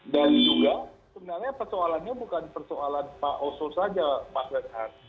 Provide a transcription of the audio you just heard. dan juga sebenarnya persoalannya bukan persoalan pak oso saja mas benar